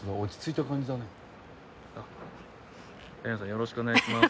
よろしくお願いします。